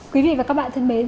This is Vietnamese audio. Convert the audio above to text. quý vị và các bạn thân mến